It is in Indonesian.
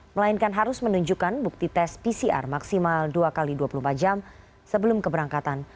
melainkan harus menunjukkan bukti tes pcr maksimal dua x dua puluh empat jam sebelum keberangkatan